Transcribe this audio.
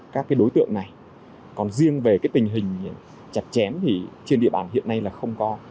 các đối tượng này còn riêng về tình hình chặt chém thì trên địa bàn hiện nay là không có